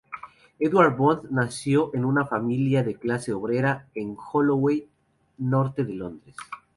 Edward Bond nació en una familia de clase obrera en Holloway, norte de Londres.